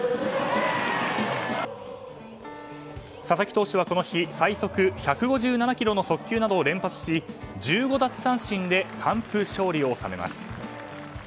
佐々木投手はこの日最速１７５キロの速球などを連発し１５奪三振で完封勝利を収めます。